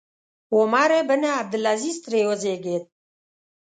عمر بن عبدالعزیز ترې وزېږېد.